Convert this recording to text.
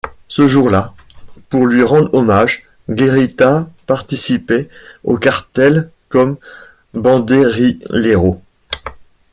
Ce jour-là, pour lui rendre hommage, Guerrita participait au cartel comme banderillero.